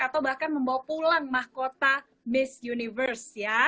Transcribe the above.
atau bahkan membawa pulang mahkota miss universe ya